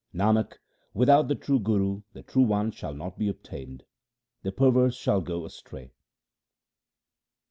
Nanak, without the true Guru the True One shall not be obtained ; the perverse shall go astray.